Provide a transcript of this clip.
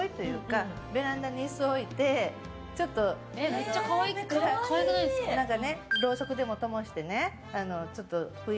めっちゃ可愛くないですか。